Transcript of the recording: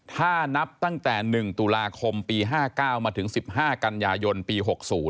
ถ้านับตั้งแต่๑ตุลาคมปี๕๙มาถึง๑๕กันยายนปี๖๐